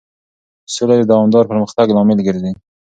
سوله د دوامدار پرمختګ لامل ګرځي.